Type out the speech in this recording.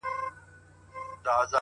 په محلي ټرېن سټېشن کي